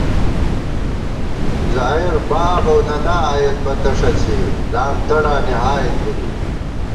ظاہر ، باب اؤ ننا آئېت پتہ ݭَڅی ، لام تڑانی ہائے تھنی